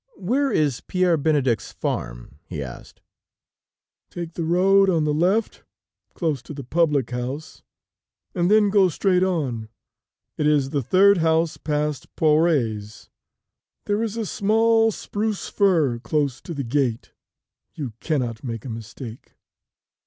"Where is Pierre Benedict's farm?" he asked. "Take the road on the left, close to the public house, and then go straight on; it is the third house past Poret's. There is a small spruce fir close to the gate; you cannot make a mistake."